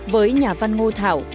với nhà văn ngô thảo